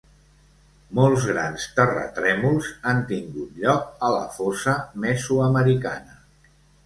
Molts grans terratrèmols han tingut lloc a la fosa mesoamericana.